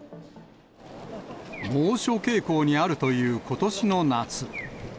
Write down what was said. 猛暑傾向にあるという、ことしの夏。